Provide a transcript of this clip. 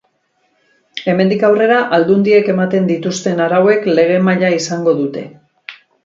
Hemendik aurrera aldundiek ematen dituzten arauek lege maila izango dute.